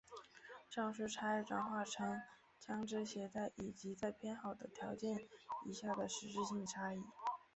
上述差异转化成在枪枝携带以及在偏好等条件以下的实质性差异。